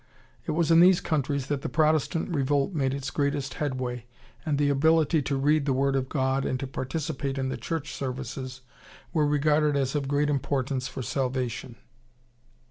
It was in these countries that the Protestant Revolt made its greatest headway and the ability to read the Word of God and to participate in the church services were regarded as of great importance for salvation."